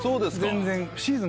全然。